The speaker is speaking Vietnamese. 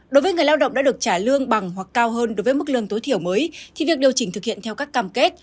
đối với người lao động đã được trả lương bằng hoặc cao hơn đối với mức lương tối thiểu mới thì việc điều chỉnh thực hiện theo các cam kết